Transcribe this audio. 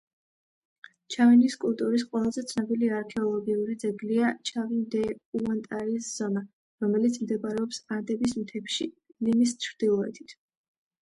ჩავინის კულტურის ყველაზე ცნობილი არქეოლოგიური ძეგლია ჩავინ-დე–უანტარის ზონა, რომელიც მდებარეობს ანდების მთებში ლიმის ჩრდილოეთით.